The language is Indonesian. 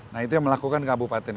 nah itu yang melakukan kabupaten